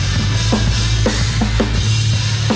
ส่วนยังแบร์ดแซมแบร์ด